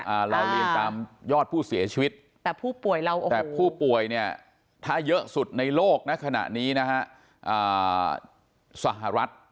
เราเรียนตามยอดผู้เสียชีวิตแต่ผู้ป่วยเนี่ยถ้าเยอะสุดในโลกนะขณะนี้นะคะ